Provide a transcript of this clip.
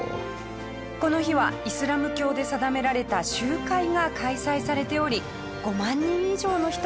この日はイスラム教で定められた集会が開催されており５万人以上の人が集まって礼拝をしています。